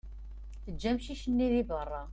Eǧǧ amcic-nni deg berra.